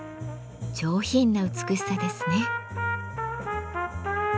上品な美しさですね。